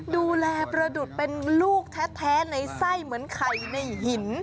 ประดุษเป็นลูกแท้ในไส้เหมือนไข่ในหิน